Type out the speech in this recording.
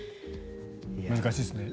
難しいですね。